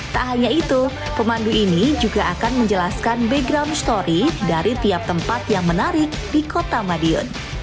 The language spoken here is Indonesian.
tak hanya itu pemandu ini juga akan menjelaskan background story dari tiap tempat yang menarik di kota madiun